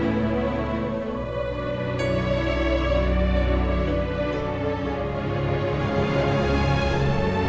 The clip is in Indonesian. berapa hari bertemu pengabduku